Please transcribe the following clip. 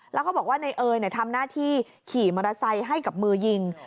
แล้วเขาบอกว่าในเอยทำหน้าที่ขี่มอเตอร์ไซค์ให้กับมือยิง